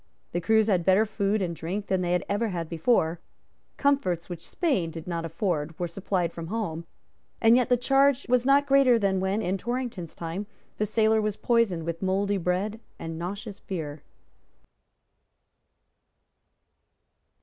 The crews had better food and drink than they had ever had before; comforts which Spain did not afford were supplied from home; and yet the charge was not greater than when, in Torrington's time, the sailor was poisoned with mouldy biscuit and nauseous beer.